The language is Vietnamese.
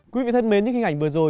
quý vị thân mến những hình ảnh vừa rồi